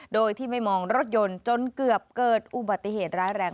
โดยที่ไม่มองรถยนต์จนเกือบเกิดอุบัติเหตุร้ายแรง